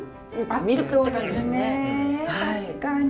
確かに。